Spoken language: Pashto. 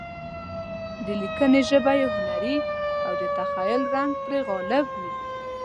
د لیکنې ژبه یې هنري او د تخیل رنګ پرې غالب وي.